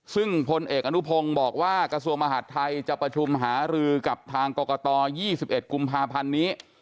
ซึ่งพลเอกอนุพงศ์บอกว่ากระทรวงมหาดไทยจะประชุมหารือกับทางกรกต๒๑กุมภาพันธ์นี้